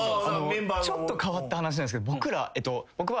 ちょっと変わった話なんすけど僕は。